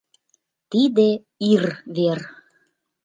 Тиде ир вер!..